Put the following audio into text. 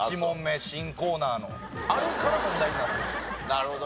なるほど。